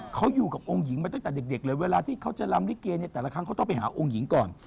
เขาอยู่กับองค์หญิงมาตั้งแต่เด็กเลยเวลาที่เขาจะลำลิเกเนี่ยแต่ละครั้งเขาต้องไปหาองค์หญิงก่อน